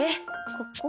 ここ？